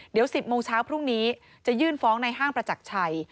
เดี๋ยว๑๐โมงเช้าพรุ่งนี้จะยื่นฟ้องในห้างประจักรชัย